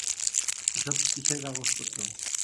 এসব কিসের কাগজপত্র?